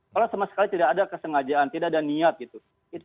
kalau sama sekali tidak ada kesengajaan tidak ada niat gitu